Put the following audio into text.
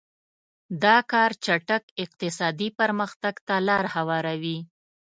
دا کار چټک اقتصادي پرمختګ ته لار هواروي.